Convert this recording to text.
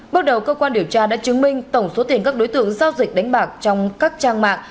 bước đầu cơ quan điều tra đã chứng minh tổng số tiền các đối tượng giao dịch đánh bạc trong các trang mạng